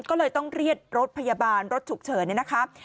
ก็เลยต้องเรียดรถพยาบาลรถฉุกเฉินนะครับ